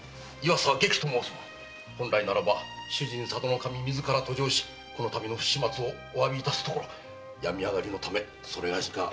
本来ならば主人・佐渡守自らがこの度の不始末を詫びるところ病み上がりのため某がなり代わりまして。